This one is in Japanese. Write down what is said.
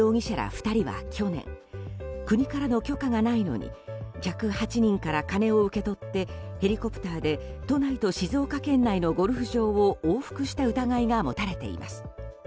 ２人は去年、国からの許可がないのに客８人から金を受け取ってヘリコプターで都内と静岡県内のゴルフ場を往復した疑いが持たれています。